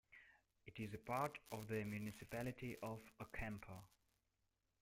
It is a part of the municipality of Ocampo.